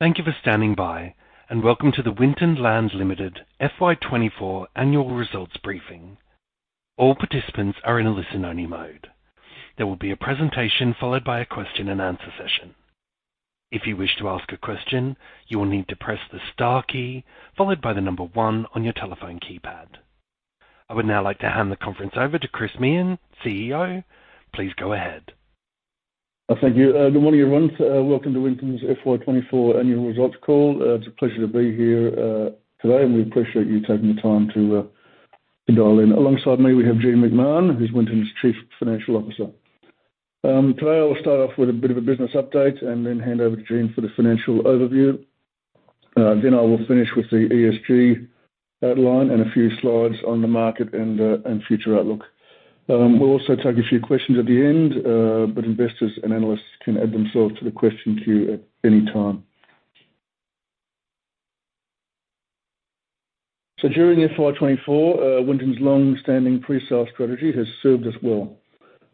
Thank you for standing by. Welcome to the Winton Land Limited FY 2024 annual results briefing. All participants are in a listen-only mode. There will be a presentation followed by a question and answer session. If you wish to ask a question, you will need to press the star key followed by the number one on your telephone keypad. I would now like to hand the conference over to Chris Meehan, CEO. Please go ahead. Thank you. Good morning, everyone. Welcome to Winton's FY 2024 annual results call. It's a pleasure to be here today, and we appreciate you taking the time to dial in. Alongside me, we have Jean McMahon, who's Winton's Chief Financial Officer. Today, I'll start off with a bit of a business update and then hand over to Jean for the financial overview. I will finish with the ESG outline and a few slides on the market and future outlook. We'll also take a few questions at the end, but investors and analysts can add themselves to the question queue at any time. During FY 2024, Winton's longstanding presale strategy has served us well,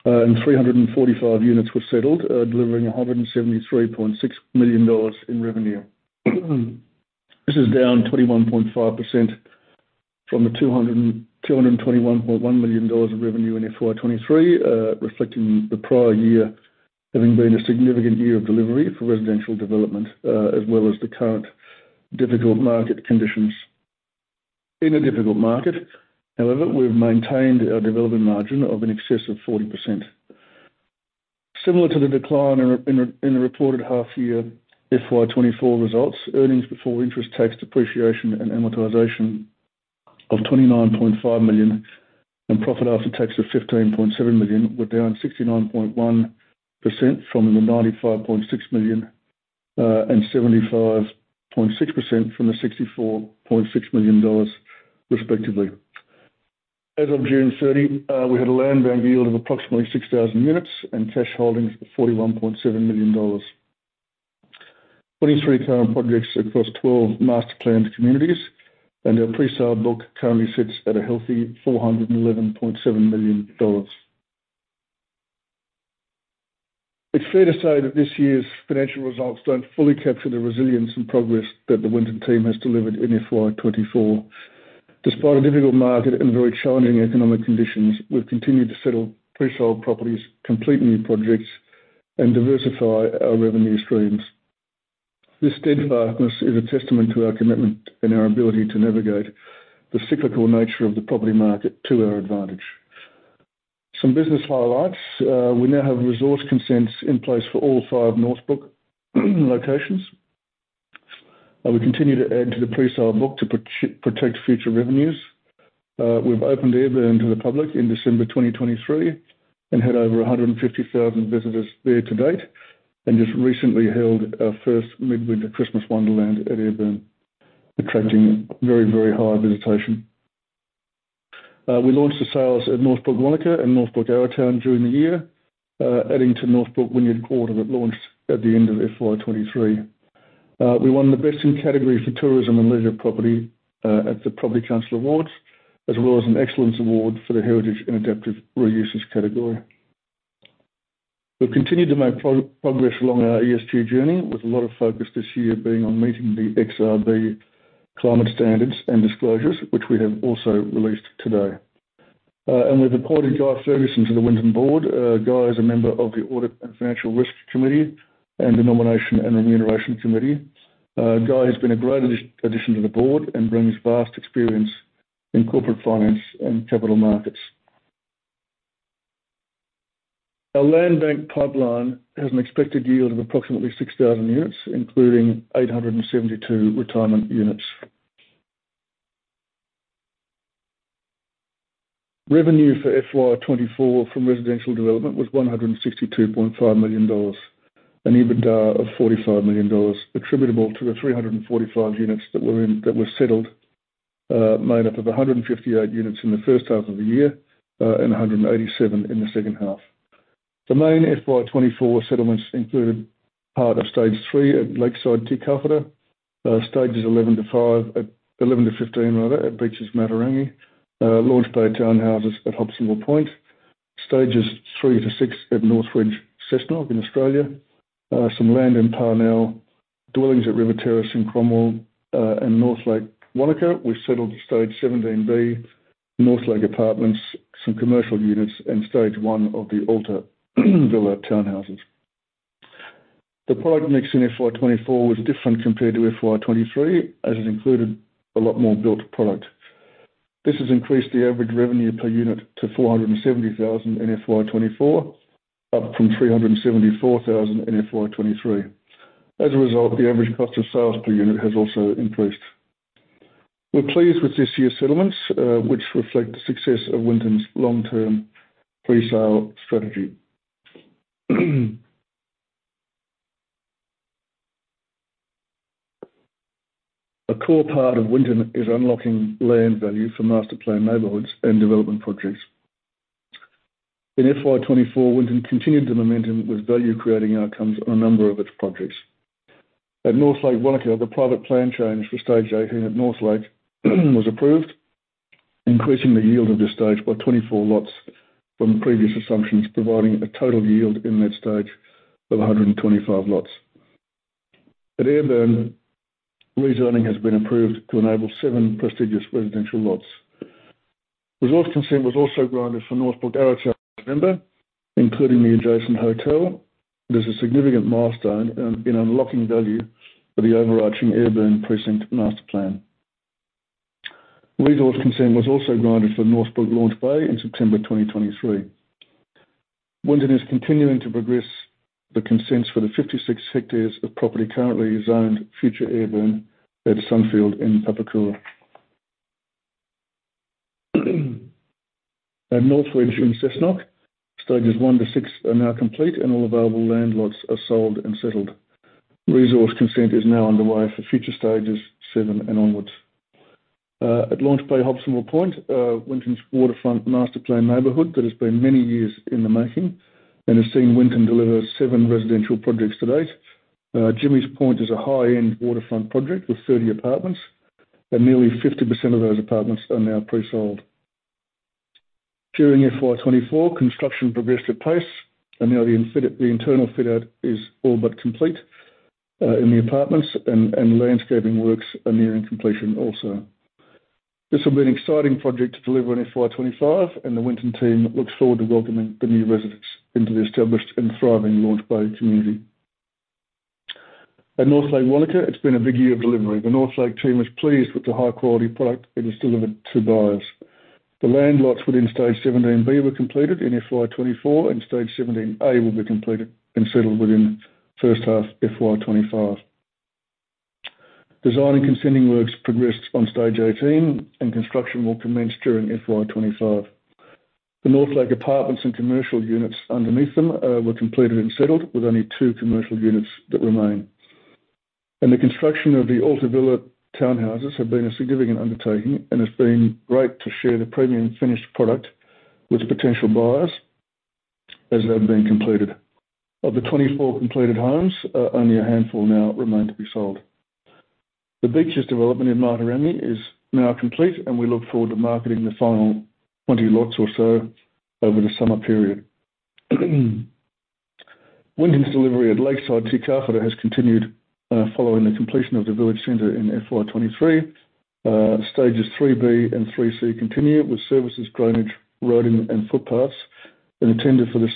and 345 units were settled, delivering 173.6 million dollars in revenue. This is down 21.5% from the 221.1 million dollars in revenue in FY 2023, reflecting the prior year having been a significant year of delivery for residential development, as well as the current difficult market conditions. In a difficult market, however, we've maintained our development margin of in excess of 40%. Similar to the decline in the reported half year FY 2024 results, earnings before interest, tax, depreciation, and amortization of 29.5 million and profit after tax of 15.7 million were down 69.1% from the 95.6 million, and 75.6% from the 64.6 million dollars respectively. As of June 30, we had a land bank yield of approximately 6,000 units and cash holdings of 41.7 million dollars. 23 current projects across 12 master planned communities, our presale book currently sits at a healthy 411.7 million dollars. It's fair to say that this year's financial results don't fully capture the resilience and progress that the Winton team has delivered in FY 2024. Despite a difficult market and very challenging economic conditions, we've continued to settle presold properties, complete new projects, and diversify our revenue streams. This steadfastness is a testament to our commitment and our ability to navigate the cyclical nature of the property market to our advantage. Some business highlights, we now have resource consents in place for all five Northbrook locations. We continue to add to the presale book to protect future revenues. We've opened Ayrburn to the public in December 2023 and had over 150,000 visitors there to date. Just recently held our first midwinter Christmas wonderland at Ayrburn, attracting very, very high visitation. We launched the sales at Northbrook Wānaka and Northbrook Arrowtown during the year, adding to Northbrook Wynyard Quarter that launched at the end of FY 2023. We won the best in category for tourism and leisure property at the Property Council Awards, as well as an excellence award for the heritage and adaptive reuses category. We've continued to make progress along our ESG journey with a lot of focus this year being on meeting the XRB climate standards and disclosures, which we have also released today. We've appointed Guy Fergusson to the Winton board. Guy is a member of the Audit and Financial Risk Committee and the Nomination and Remuneration Committee. Guy has been a great addition to the board and brings vast experience in corporate finance and capital markets. Our land bank pipeline has an expected yield of approximately 6,000 units, including 872 retirement units. Revenue for FY 2024 from residential development was 162.5 million dollars, an EBITDA of 45 million dollars attributable to the 345 units that were settled, made up of 158 units in the first half of the year, and 187 in the second half. The main FY 2024 settlements included part of Stage 3 at Lakeside Te Kauwhata, Stages 11 to 5, 11 to 15 rather at Beaches Matarangi, Launchpad Townhouses at Hobsonville Point, Stages 3 to 6 at Northridge Cessnock in Australia, some land in Parnell, dwellings at River Terrace in Cromwell, and Northlake Wānaka. We settled Stage 17B, Northlake Apartments, some commercial units, and Stage 1 of the Alta Villa Townhouses. The product mix in FY 2024 was different compared to FY 2023, as it included a lot more built product. This has increased the average revenue per unit to 470,000 in FY 2024, up from 374,000 in FY 2023. As a result, the average cost of sales per unit has also increased. We're pleased with this year's settlements, which reflect the success of Winton's long-term presale strategy. A core part of Winton is unlocking land value for master plan neighborhoods and development projects. In FY 2024, Winton continued the momentum with value-creating outcomes on a number of its projects. At Northlake Wānaka, the private plan change for Stage 18 at Northlake was approved, increasing the yield of this stage by 24 lots from previous assumptions, providing a total yield in that stage of 125 lots. At Ayrburn, rezoning has been approved to enable seven prestigious residential lots. Resource consent was also granted for Northbrook Arrowtown in November, including the adjacent hotel. It is a significant milestone in unlocking value for the overarching Ayrburn precinct master plan. Resource consent was also granted for Northbrook Launch Bay in September 2023. Winton is continuing to progress the consents for the 56 hectares of property currently zoned Future Urban at Sunfield in Papakura. At Northridge in Cessnock, stages 1 to 6 are now complete and all available land lots are sold and settled. Resource consent is now underway for future stages 7 and onwards. At Launch Bay Hobsonville Point, Winton's waterfront master plan neighborhood that has been many years in the making and has seen Winton deliver seven residential projects to date. Jimmy's Point is a high-end waterfront project with 30 apartments, and nearly 50% of those apartments are now pre-sold. During FY 2024, construction progressed at pace, now the internal fit-out is all but complete in the apartments and landscaping works are nearing completion also. This will be an exciting project to deliver in FY 2025, and the Winton team looks forward to welcoming the new residents into the established and thriving Launch Bay community. At Northlake Wānaka, it's been a big year of delivery. The Northlake team is pleased with the high-quality product it has delivered to buyers. The land lots within Stage 17B were completed in FY 2024, and Stage 17A will be completed and settled within the first half of FY 2025. Design and consenting works progressed on Stage 18, and construction will commence during FY 2025. The Northlake Apartments and commercial units underneath them were completed and settled, with only two commercial units that remain. The construction of the Altavilla townhouses has been a significant undertaking and it's been great to share the premium finished product with potential buyers as they've been completed. Of the 24 completed homes, only a handful now remain to be sold. The Beaches development in Matarangi is now complete, and we look forward to marketing the final 20 lots or so over the summer period. Winton's delivery at Lakeside Te Kauwhata has continued following the completion of the village center in FY 2023. Stages 3B and 3C continue with services, drainage, roading, and footpaths, and a tender for the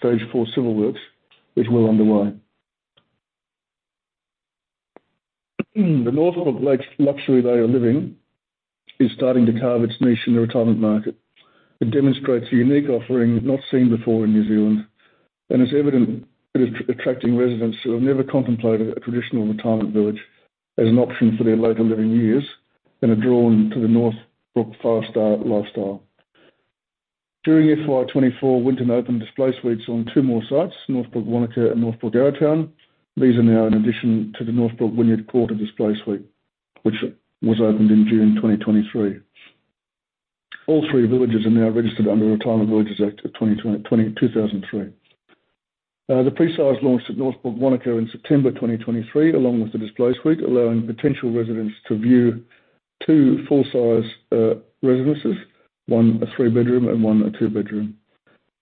stage 4 civil works is well underway. The Northbrook luxury way of living is starting to carve its niche in the retirement market. It demonstrates a unique offering not seen before in New Zealand, and it's evident that it's attracting residents who have never contemplated a traditional retirement village as an option for their later living years and are drawn to the Northbrook five-star lifestyle. During FY24, Winton opened display suites on two more sites, Northbrook Wānaka and Northbrook Arrowtown. These are now in addition to the Northbrook Wynyard Quarter display suite, which was opened in June 2023. All three villages are now registered under the Retirement Villages Act 2003. The pre-sales launched at Northbrook Wānaka in September 2023, along with the display suite, allowing potential residents to view two full-size residences, one a three-bedroom and one a two-bedroom.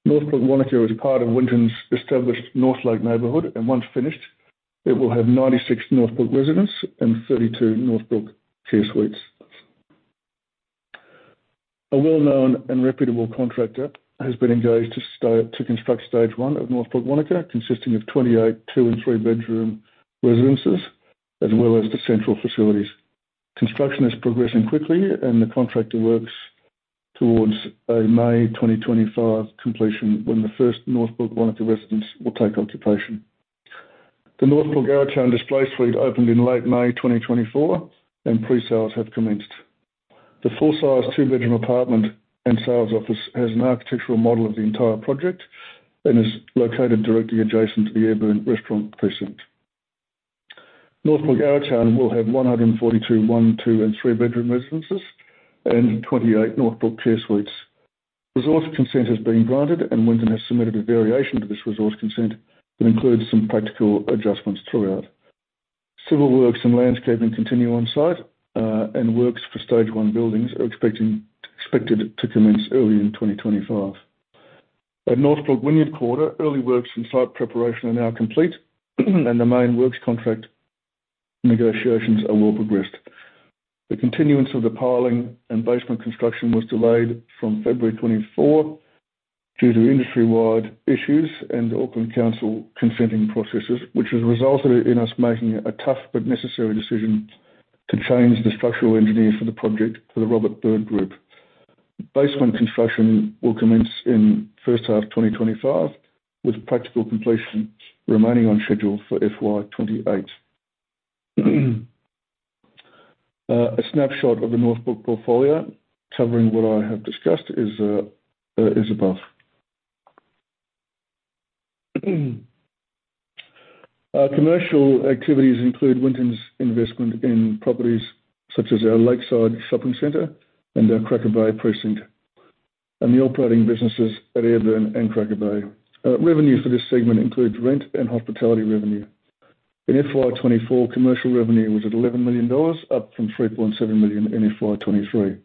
Northbrook Wānaka is part of Winton's established Northlake neighborhood, and once finished, it will have 96 Northbrook residences and 32 Northbrook care suites. A well-known and reputable contractor has been engaged to construct stage 1 of Northbrook Wānaka, consisting of 28 two- and three-bedroom residences as well as the central facilities. Construction is progressing quickly, and the contractor works towards a May 2025 completion when the first Northbrook Wānaka residents will take occupation. The Northbrook Arrowtown display suite opened in late May 2024. Pre-sales have commenced. The full-size two-bedroom apartment and sales office has an architectural model of the entire project and is located directly adjacent to the Ayrburn Restaurant precinct. Northbrook Arrowtown will have 142 one-, two-, and three-bedroom residences and 28 Northbrook care suites. Resource consent has been granted. Winton has submitted a variation to this resource consent that includes some practical adjustments throughout. Civil works and landscaping continue on-site. Works for stage 1 buildings are expected to commence early in 2025. At Northbrook Wynyard Quarter, early works and site preparation are now complete. The main works contract negotiations are well progressed. The continuance of the piling and basement construction was delayed from February 24 due to industry-wide issues and Auckland Council consenting processes, which has resulted in us making a tough but necessary decision to change the structural engineer for the project to the Robert Bird Group. Basement construction will commence in the first half of 2025, with practical completion remaining on schedule for FY 2028. A snapshot of the Northbrook portfolio covering what I have discussed is above. Our commercial activities include Winton's investment in properties such as our Lakeside Shopping Centre and our Cracker Bay precinct and the operating businesses at Ayrburn and Cracker Bay. Revenue for this segment includes rent and hospitality revenue. In FY 2024, commercial revenue was at 11 million dollars, up from 3.7 million in FY 2023.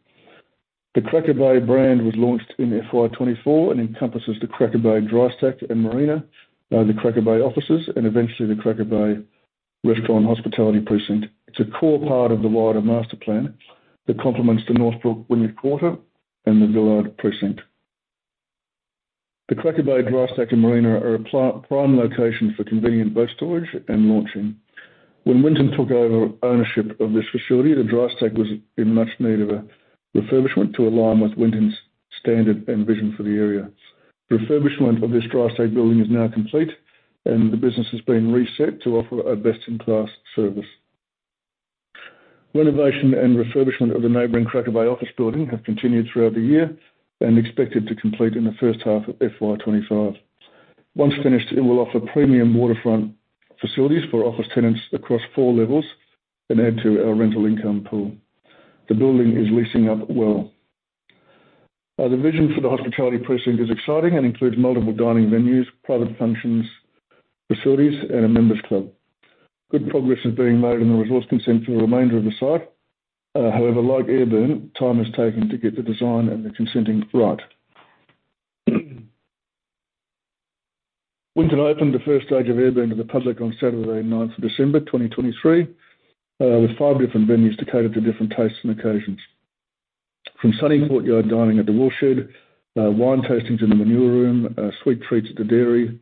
The Cracker Bay brand was launched in FY 2024 and encompasses the Cracker Bay dry stack and marina, the Cracker Bay offices, and eventually the Cracker Bay Restaurant hospitality precinct. It's a core part of the wider master plan that complements the Northbrook Wynyard Quarter and The Villard precinct. The Cracker Bay dry stack and marina are a prime location for convenient boat storage and launching. When Winton took over ownership of this facility, the dry stack was in much need of a refurbishment to align with Winton's standard and vision for the area. Refurbishment of this dry stack building is now complete, and the business has been reset to offer a best-in-class service. Renovation and refurbishment of the neighboring Cracker Bay office building have continued throughout the year and expected to complete in the first half of FY 2025. Once finished, it will offer premium waterfront facilities for office tenants across 4 levels and add to our rental income pool. The building is leasing up well. The vision for the hospitality precinct is exciting and includes multiple dining venues, private functions, facilities, and a members club. Good progress is being made on the resource consent for the remainder of the site. Like Ayrburn, time has taken to get the design and the consenting right. Winton opened the first stage of Ayrburn to the public on Saturday 9th of December 2023, with five different venues to cater to different tastes and occasions. From sunny courtyard dining at The Woolshed, wine tastings in The Manure Room, sweet treats at The Dairy,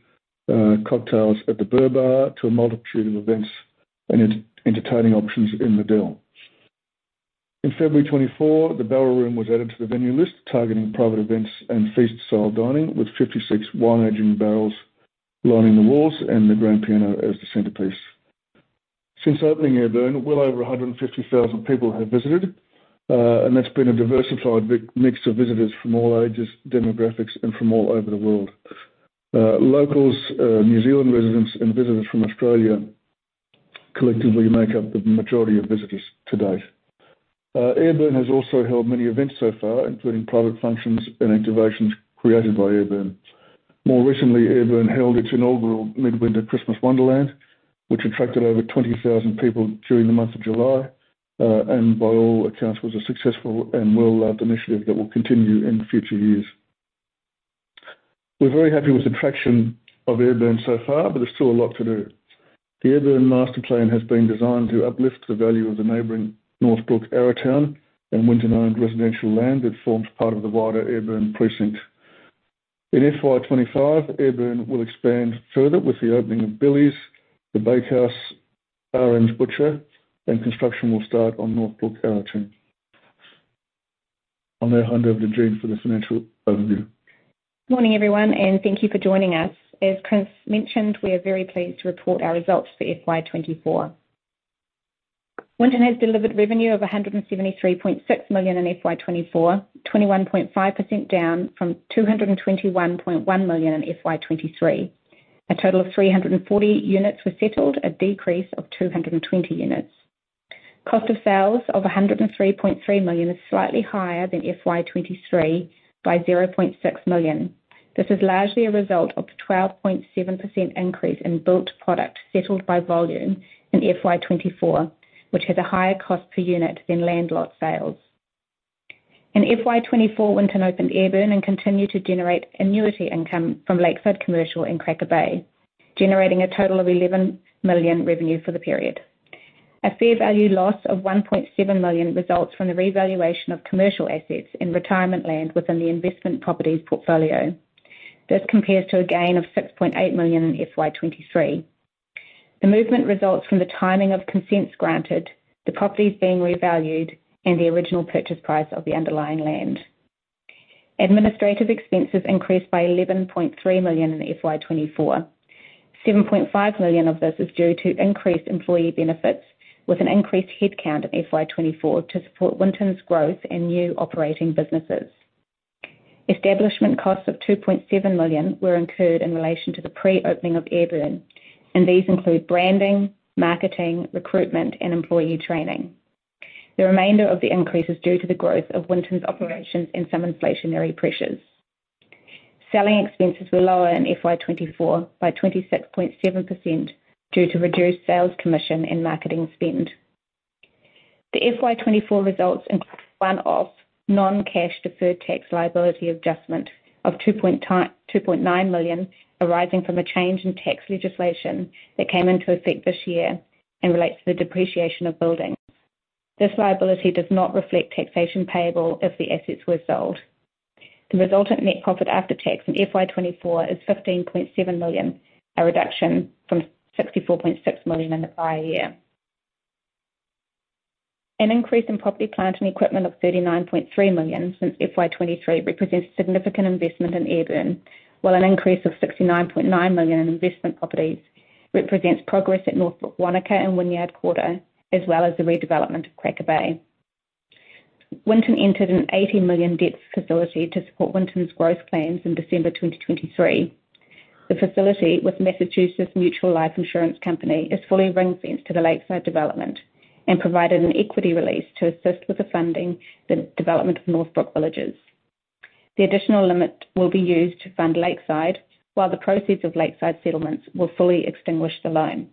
cocktails at The Burr Bar, to a multitude of events and entertaining options in The Dell. In February 2024, The Barrel Room was added to the venue list, targeting private events and feast-style dining, with 56 wine-aging barrels lining the walls and the grand piano as the centerpiece. Since opening Ayrburn, well over 150,000 people have visited, and that's been a diversified mix of visitors from all ages, demographics, and from all over the world. Locals, New Zealand residents, and visitors from Australia collectively make up the majority of visitors to date. Ayrburn has also held many events so far, including private functions and activations created by Ayrburn. More recently, Ayrburn held its inaugural midwinter Christmas wonderland, which attracted over 20,000 people during the month of July, by all accounts, was a successful and well-loved initiative that will continue in future years. We're very happy with the traction of Ayrburn so far. There's still a lot to do. The Ayrburn master plan has been designed to uplift the value of the neighboring Northbrook Arrowtown and Winton-owned residential land that forms part of the wider Ayrburn precinct. In FY 2025, Ayrburn will expand further with the opening of Billy's, The Bakehouse, RM's Butcher, and construction will start on Northbrook Arrowtown. I'll now hand over to Jean for the financial overview. Morning, everyone, and thank you for joining us. As Chris mentioned, we are very pleased to report our results for FY 2024. Winton has delivered revenue of 173.6 million in FY 2024, 21.5% down from 221.1 million in FY 2023. A total of 340 units were settled, a decrease of 220 units. Cost of sales of 103.3 million is slightly higher than FY 2023 by 0.6 million. This is largely a result of the 12.7% increase in built product settled by volume in FY 2024, which has a higher cost per unit than land lot sales. In FY 2024, Winton opened Ayrburn and continued to generate annuity income from Lakeside Commercial and Cracker Bay, generating a total of 11 million revenue for the period. A fair value loss of 1.7 million results from the revaluation of commercial assets in retirement land within the investment properties portfolio. This compares to a gain of 6.8 million in FY 2023. The movement results from the timing of consents granted, the properties being revalued, and the original purchase price of the underlying land. Administrative expenses increased by 11.3 million in FY 2024. 7.5 million of this is due to increased employee benefits with an increased headcount in FY 2024 to support Winton's growth and new operating businesses. Establishment costs of 2.7 million were incurred in relation to the pre-opening of Ayrburn. These include branding, marketing, recruitment, and employee training. The remainder of the increase is due to the growth of Winton's operations and some inflationary pressures. Selling expenses were lower in FY 2024 by 26.7% due to reduced sales commission and marketing spend. The FY 2024 results include one-off non-cash deferred tax liability adjustment of 2.9 million arising from a change in tax legislation that came into effect this year and relates to the depreciation of buildings. This liability does not reflect taxation payable if the assets were sold. The resultant net profit after tax in FY 2024 is 15.7 million, a reduction from 64.6 million in the prior year. An increase in property plant and equipment of 39.3 million since FY 2023 represents significant investment in Ayrburn, while an increase of 69.9 million in investment properties represents progress at Northbrook, Wānaka, and Wynyard Quarter, as well as the redevelopment of Cracker Bay. Winton entered an 80 million debt facility to support Winton's growth plans in December 2023. The facility with Massachusetts Mutual Life Insurance Company is fully ring-fenced to the Lakeside development and provided an equity release to assist with the funding the development of Northbrook Villages. The additional limit will be used to fund Lakeside, while the proceeds of Lakeside settlements will fully extinguish the loan.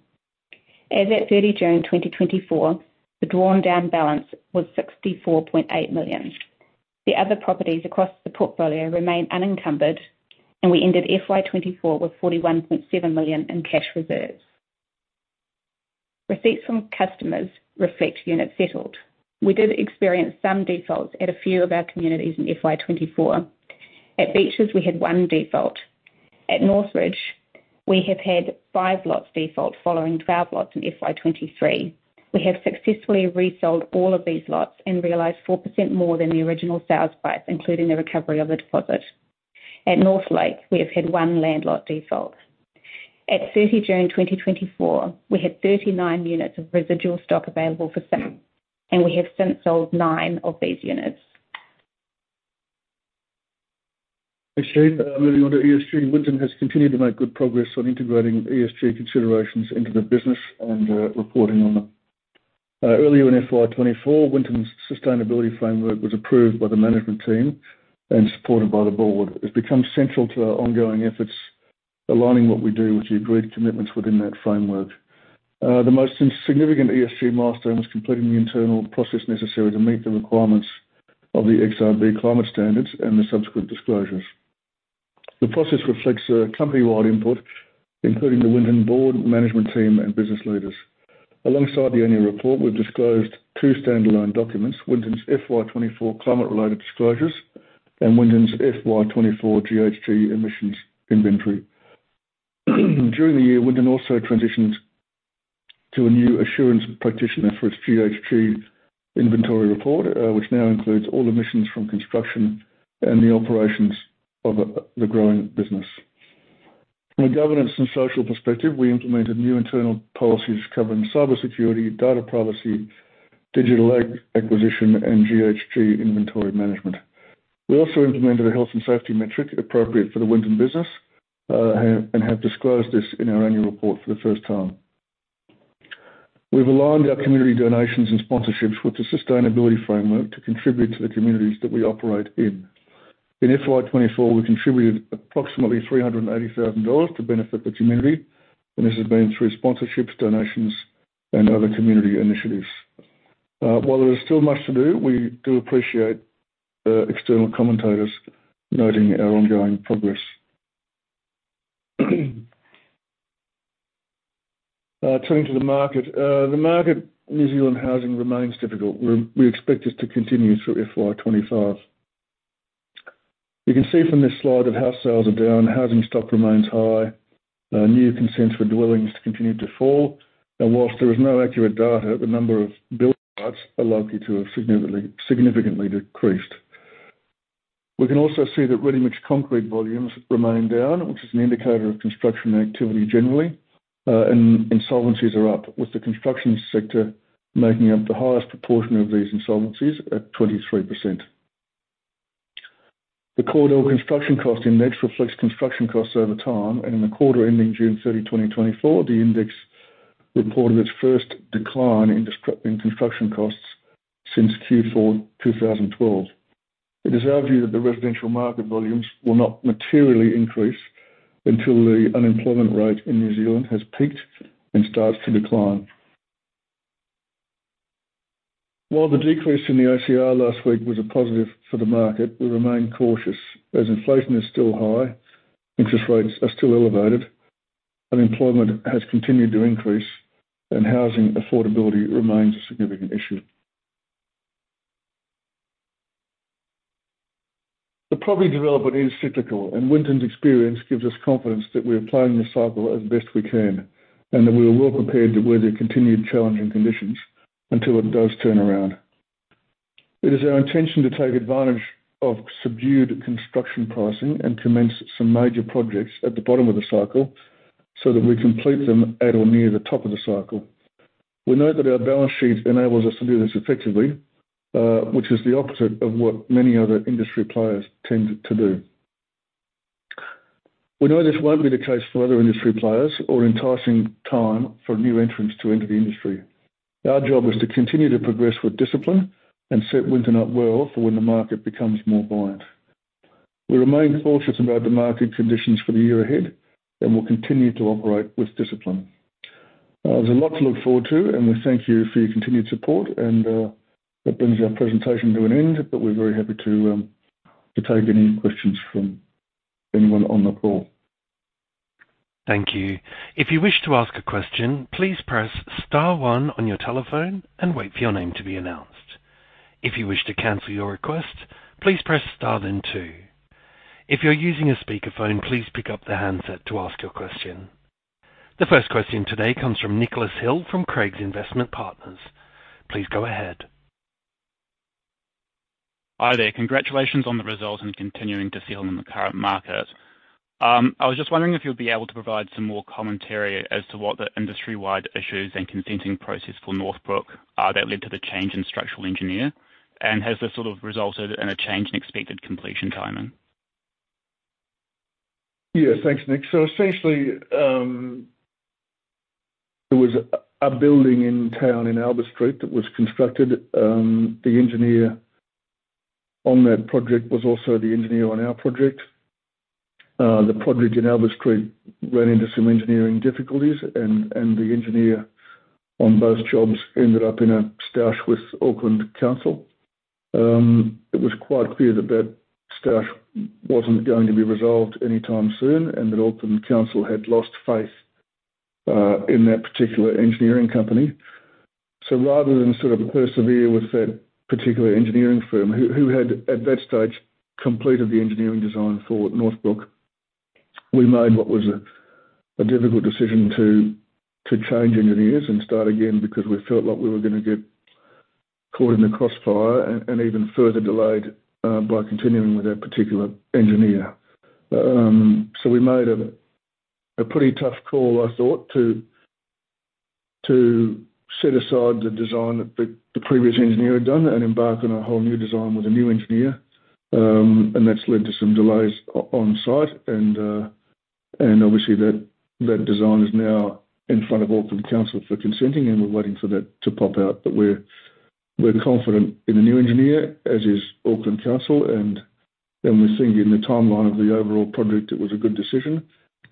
As at 30 June 2024, the drawn-down balance was 64.8 million. The other properties across the portfolio remain unencumbered, and we ended FY 2024 with 41.7 million in cash reserves. Receipts from customers reflect units settled. We did experience some defaults at a few of our communities in FY 2024. At Beaches, we had one default. At Northridge, we have had five lots default following 12 lots in FY 2023. We have successfully resold all of these lots and realized 4% more than the original sales price, including the recovery of the deposit. At Northlake, we have had one land lot default. At 30 June 2024, we had 39 units of residual stock available for sale, and we have since sold nine of these units. Thanks, Jean. Moving on to ESG. Winton has continued to make good progress on integrating ESG considerations into the business and reporting on them. Earlier in FY 2024, Winton's sustainability framework was approved by the management team and supported by the board. It's become central to our ongoing efforts, aligning what we do with the agreed commitments within that framework. The most significant ESG milestone was completing the internal process necessary to meet the requirements of the XRB climate standards and the subsequent disclosures. The process reflects a company-wide input, including the Winton board, management team, and business leaders. Alongside the annual report, we've disclosed two standalone documents, Winton's FY 2024 climate-related disclosures and Winton's FY 2024 GHG emissions inventory. During the year, Winton also transitioned to a new assurance practitioner for its GHG inventory report, which now includes all emissions from construction and the operations of the growing business. From a governance and social perspective, we implemented new internal policies covering cybersecurity, data privacy, digital acquisition, and GHG inventory management. We also implemented a health and safety metric appropriate for the Winton business, and have disclosed this in our annual report for the first time. We've aligned our community donations and sponsorships with the sustainability framework to contribute to the communities that we operate in. In FY 2024, we contributed approximately 380,000 dollars to benefit the community, and this has been through sponsorships, donations, and other community initiatives. While there is still much to do, we do appreciate external commentators noting our ongoing progress. Turning to the market. The market in New Zealand housing remains difficult. We expect this to continue through FY 2025. You can see from this slide that house sales are down, housing stock remains high, new consents for dwellings continue to fall. Whilst there is no accurate data, the number of building sites are likely to have significantly decreased. We can also see that ready-mix concrete volumes remain down, which is an indicator of construction activity generally. Insolvencies are up, with the construction sector making up the highest proportion of these insolvencies at 23%. The Cordell Construction Cost Index reflects construction costs over time. In the quarter ending June 30, 2024, the index reported its first decline in construction costs since Q4 2012. It is our view that the residential market volumes will not materially increase until the unemployment rate in New Zealand has peaked and starts to decline. While the decrease in the OCR last week was a positive for the market, we remain cautious as inflation is still high, interest rates are still elevated, unemployment has continued to increase, and housing affordability remains a significant issue. The property development is cyclical, and Winton's experience gives us confidence that we are playing the cycle as best we can, and that we are well prepared to weather continued challenging conditions until it does turn around. It is our intention to take advantage of subdued construction pricing and commence some major projects at the bottom of the cycle so that we complete them at or near the top of the cycle. We note that our balance sheet enables us to do this effectively, which is the opposite of what many other industry players tend to do. We know this won't be the case for other industry players or enticing time for new entrants to enter the industry. Our job is to continue to progress with discipline and set Winton up well for when the market becomes more buoyant. We remain cautious about the market conditions for the year ahead and will continue to operate with discipline. There's a lot to look forward to, and we thank you for your continued support. That brings our presentation to an end, but we're very happy to take any questions from anyone on the call. Thank you. If you wish to ask a question, please press star one on your telephone and wait for your name to be announced. If you wish to cancel your request, please press star then two. If you're using a speakerphone, please pick up the handset to ask your question. The first question today comes from Nicholas Hill from Craigs Investment Partners. Please go ahead. Hi there. Congratulations on the results and continuing to excel in the current market. I was just wondering if you'd be able to provide some more commentary as to what the industry-wide issues and consenting process for Northbrook that led to the change in structural engineer, and has this sort of resulted in a change in expected completion timing? Yeah, thanks, Nick. Essentially, there was a building in town in Alba Street that was constructed. The engineer on that project was also the engineer on our project. The project in Alba Street ran into some engineering difficulties and the engineer on both jobs ended up in a clash with Auckland Council. It was quite clear that that clash wasn't going to be resolved anytime soon, and that Auckland Council had lost faith in that particular engineering company. Rather than persevere with that particular engineering firm who had, at that stage, completed the engineering design for Northbrook, we made what was a difficult decision to change engineers and start again because we felt like we were going to get caught in the crossfire and even further delayed by continuing with that particular engineer. We made a pretty tough call, I thought, to set aside the design that the previous engineer had done and embark on a whole new design with a new engineer. That's led to some delays on-site and obviously that design is now in front of Auckland Council for consenting, and we're waiting for that to pop out. We're confident in the new engineer, as is Auckland Council, and we think in the timeline of the overall project, it was a good decision.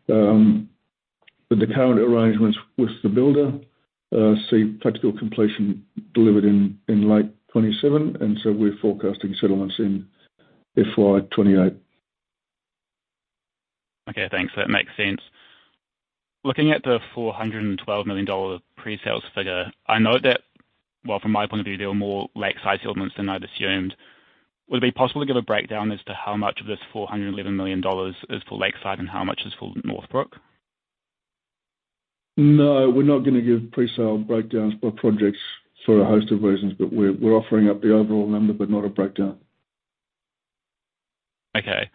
With the current arrangements with the builder see practical completion delivered in late 2027, we're forecasting settlements in FY 2028. Okay, thanks. That makes sense. Looking at the 412 million dollar pre-sales figure, I know that, from my point of view, there were more Lakeside settlements than I'd assumed. Would it be possible to give a breakdown as to how much of this 411 million dollars is for Lakeside and how much is for Northbrook? No, we're not going to give pre-sale breakdowns by projects for a host of reasons, but we're offering up the overall number, but not a breakdown. Okay.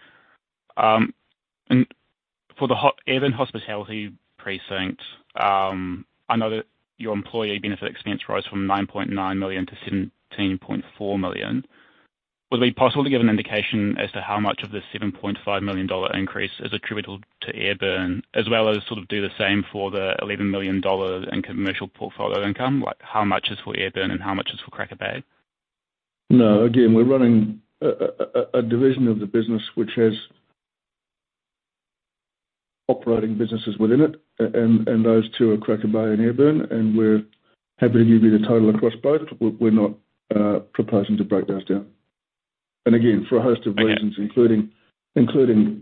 For the Ayrburn hospitality precinct, I know that your employee benefit expense rose from 9.9 million to 17.4 million. Would it be possible to give an indication as to how much of the 7.5 million dollar increase is attributable to Ayrburn, as well as do the same for the 11 million dollars in commercial portfolio income, like how much is for Ayrburn and how much is for Cracker Bay? No. Again, we're running a division of the business which has operating businesses within it, and those two are Cracker Bay and Ayrburn, and we're happy to give you the total across both. We're not proposing to break those down. Okay including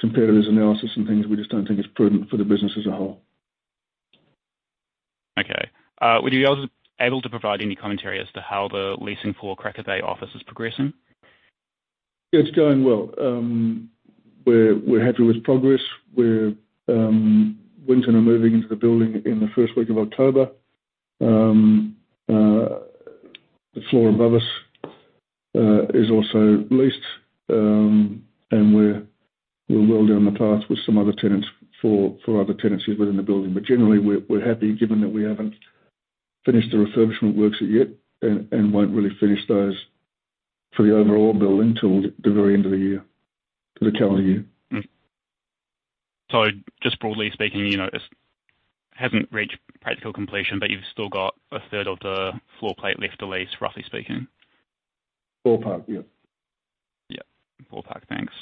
competitors' analysis and things, we just don't think it's prudent for the business as a whole. Okay. Would you be able to provide any commentary as to how the leasing for Cracker Bay office is progressing? It's going well. We're happy with progress. Winton are moving into the building in the first week of October. The floor above us is also leased. We're well down the path with some other tenants for other tenancies within the building. Generally, we're happy given that we haven't finished the refurbishment works yet and won't really finish those for the overall building till the very end of the year, for the calendar year. Just broadly speaking, it hasn't reached practical completion, but you've still got a third of the floor plate left to lease, roughly speaking. Ballpark, yeah. Yeah. Ballpark. Thanks.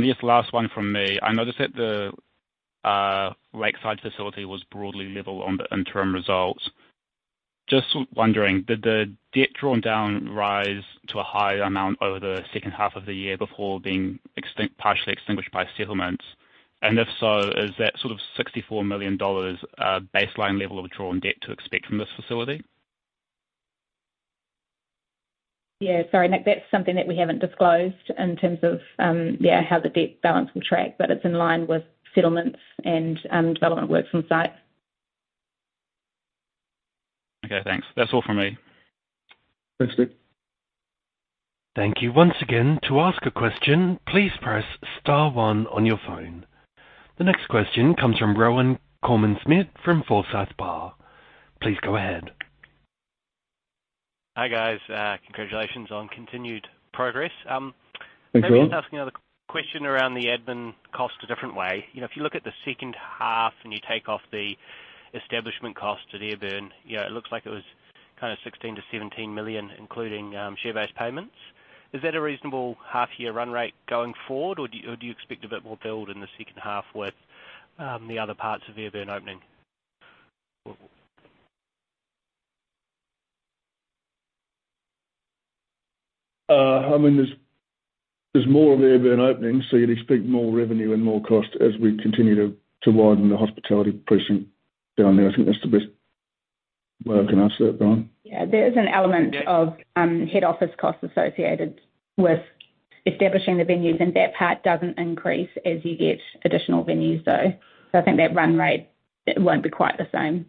This last one from me. I noticed that the Lakeside facility was broadly level on the interim results. Just wondering, did the debt drawn down rise to a higher amount over the second half of the year before being partially extinguished by settlements? If so, is that 64 million dollars baseline level of drawn debt to expect from this facility? Yeah. Sorry, Nick. That's something that we haven't disclosed in terms of, yeah, how the debt balance will track, but it's in line with settlements and development works on site. Okay, thanks. That's all from me. Thanks, Nick. Thank you once again. To ask a question, please press *1 on your phone. The next question comes from Rohan Coleman-Smith from Forsyth Barr. Please go ahead. Hi, guys. Congratulations on continued progress. Thanks, Rohan. Maybe I'll ask another question around the admin cost a different way. If you look at the second half and you take off the establishment cost to Ayrburn, it looks like it was 16 million-17 million, including share-based payments. Is that a reasonable half-year run rate going forward, or do you expect a bit more build in the second half with the other parts of Ayrburn opening? There's more of Ayrburn opening, so you'd expect more revenue and more cost as we continue to widen the hospitality precinct down there. I think that's the best way I can answer that, Rohan. Yeah. Yeah of head office costs associated with establishing the venues, and that part doesn't increase as you get additional venues, though. I think that run rate, it won't be quite the same.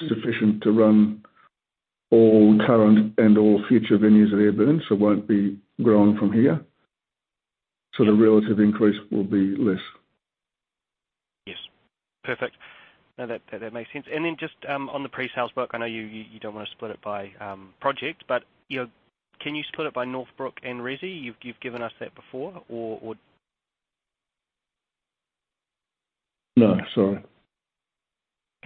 Yeah, I think the back office is sufficient to run all current and all future venues at Ayrburn, so it won't be growing from here. The relative increase will be less. Perfect. No, that makes sense. Then just on the pre-sales book, I know you don't want to split it by project, but can you split it by Northbrook and Resi? You've given us that before or. No, sorry.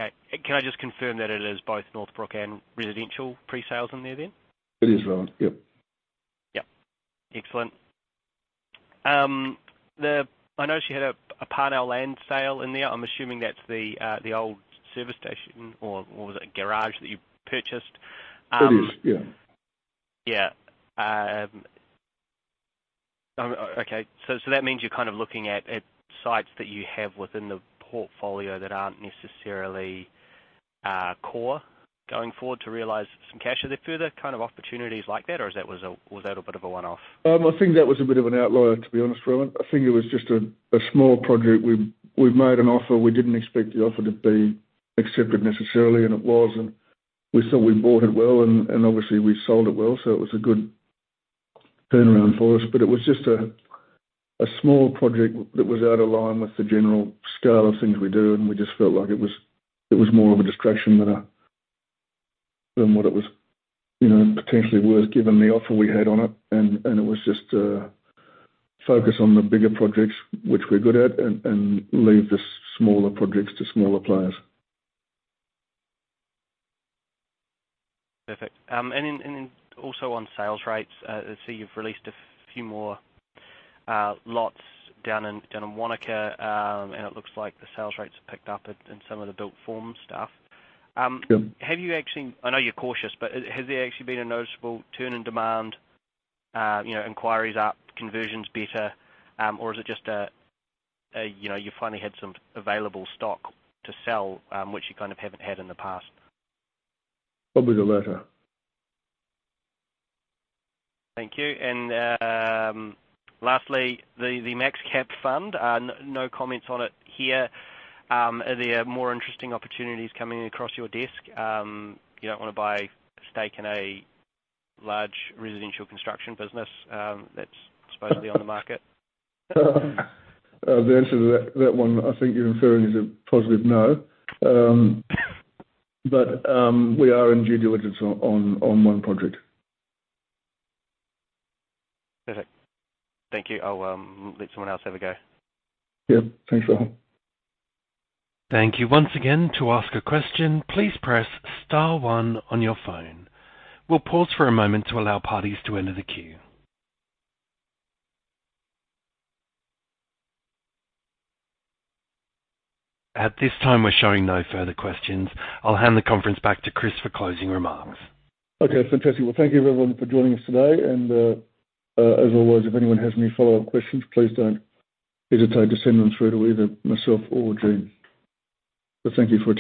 Okay. Can I just confirm that it is both Northbrook and residential pre-sales in there then? It is, Rohan. Yep. Yep. Excellent. I noticed you had a Parnell land sale in there. I'm assuming that's the old service station or was it a garage that you purchased? It is, yeah. Yeah. Okay. That means you're looking at sites that you have within the portfolio that aren't necessarily core going forward to realize some cash. Are there further opportunities like that, or was that a bit of a one-off? I think that was a bit of an outlier, to be honest, Rohan. I think it was just a small project. We've made an offer. We didn't expect the offer to be accepted necessarily, and it was, and we thought we bought it well and obviously we sold it well, so it was a good turnaround for us. It was just a small project that was out of line with the general scale of things we do, and we just felt like it was more of a distraction than what it was potentially worth, given the offer we had on it. It was just a focus on the bigger projects, which we're good at, and leave the smaller projects to smaller players. Perfect. Also on sales rates, I see you've released a few more lots down in Wānaka, and it looks like the sales rates have picked up in some of the built-form stuff. Yep. I know you're cautious, but has there actually been a noticeable turn in demand, inquiries up, conversions better? Is it just you finally had some available stock to sell, which you haven't had in the past? Probably the latter. Thank you. Lastly, the MaxCap Fund. No comments on it here. Are there more interesting opportunities coming across your desk? You don't want to buy a stake in a large residential construction business that's supposedly on the market? The answer to that one, I think you're inferring, is a positive no. We are in due diligence on one project. Perfect. Thank you. I'll let someone else have a go. Yeah. Thanks, Rohan. Thank you once again. To ask a question, please press *1 on your phone. We'll pause for a moment to allow parties to enter the queue. At this time, we're showing no further questions. I'll hand the conference back to Chris for closing remarks. Okay, fantastic. Well, thank you everyone for joining us today, and, as always, if anyone has any follow-up questions, please don't hesitate to send them through to either myself or Jean. Thank you for attending.